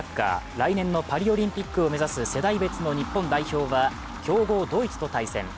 来年のパリオリンピックを目指す世代別の日本代表は、強豪ドイツと対戦。